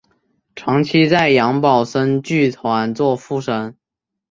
长期在杨宝森剧团做副生。